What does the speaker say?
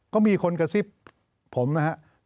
ก็มีคนกระซิบผมนะฮะ